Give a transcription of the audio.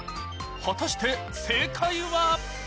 果たして正解は？